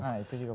nah itu juga